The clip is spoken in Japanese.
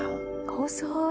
細い。